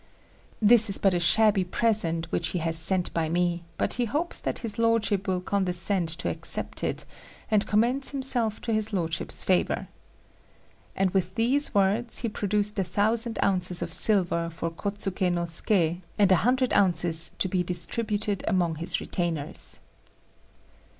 This is but a shabby present which he has sent by me, but he hopes that his lordship will condescend to accept it, and commends himself to his lordship's favour." And, with these words, he produced a thousand ounces of silver for Kôtsuké no Suké, and a hundred ounces to be distributed among his retainers.